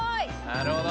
なるほど。